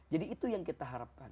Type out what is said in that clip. jadi itu yang kita harapkan